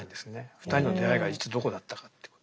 ２人の出会いがいつどこだったかっていうことを。